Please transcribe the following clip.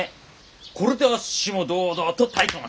これであっしも堂々と太鼓持ち！